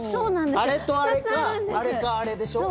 あれとあれかあれかあれでしょ？